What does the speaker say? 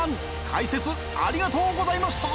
解説ありがとうございました！